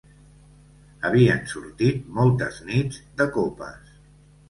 Havien sortit moltes nits de copes.